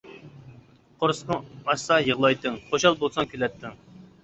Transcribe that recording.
قورسىقىڭ ئاچسا يىغلايتتىڭ، خۇشال بولساڭ كۈلەتتىڭ.